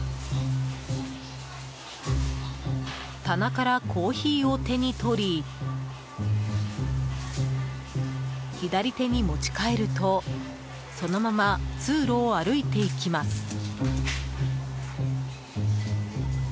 棚からコーヒーを手に取り左手に持ち替えるとそのまま通路を歩いて行きます。